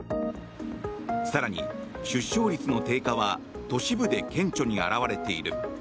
更に出生率の低下は都市部で顕著に表れている。